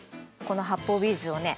この発泡ビーズをね